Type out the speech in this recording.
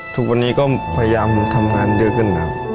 ทุกวันนี้ก็พยายามทำงานเยอะขึ้นครับ